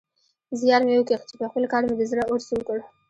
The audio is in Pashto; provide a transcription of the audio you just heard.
زيار مې وکيښ چې پخپل کار مې د زړه اور سوړ کړ.